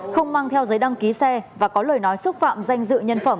không mang theo giấy đăng ký xe và có lời nói xúc phạm danh dự nhân phẩm